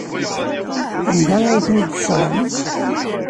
Anda ay ten-id-tesɣam?